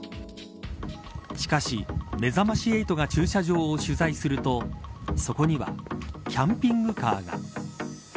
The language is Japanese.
しかし、めざまし８が駐車場を取材するとそこには、キャンピングカーが。